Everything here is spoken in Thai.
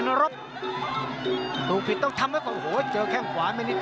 นี่นี่นี่นี่นี่นี่